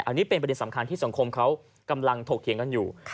อันนี้เป็นประเด็นสำคัญที่สังคมเขากำลังถกเถียงกันอยู่